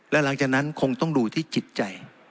และหลังจากนั้นคงต้องดูที่จิตใจ